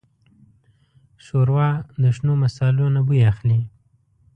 ښوروا د شنو مصالو نه بوی اخلي.